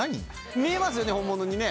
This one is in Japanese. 見えますよね、本物にね。